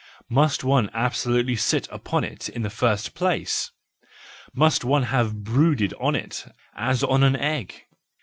Must one absolutely sit upon it in the first place ? Must one have brooded on it as on an egg